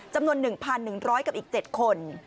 จำนวน๑๑๐๐กับอีก๗คน